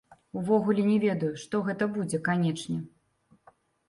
Увогуле не ведаю, што гэта будзе, канечне.